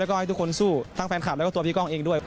แล้วก็ให้ทุกคนสู้ทั้งแฟนคลับแล้วก็ตัวพี่ก้องเองด้วย